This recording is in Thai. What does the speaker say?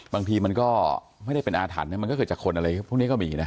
บางทีมันก็ไม่ได้เป็นอาถรรพ์มันก็เกิดจากคนอะไรพวกนี้ก็มีนะ